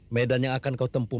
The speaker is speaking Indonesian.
medan yang akan kau tempuh